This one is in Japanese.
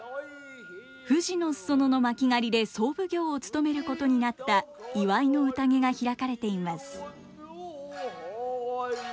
富士の裾野の巻狩で総奉行を務めることになった祝いの宴が開かれています。